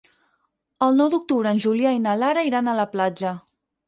El nou d'octubre en Julià i na Lara iran a la platja.